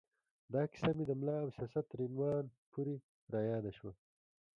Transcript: دا کیسه مې د ملا او سیاست تر عنوان پورې را یاده شوه.